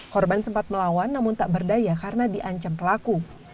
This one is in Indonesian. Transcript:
korban sempat melawan namun tak berdaya karena diancam pelaku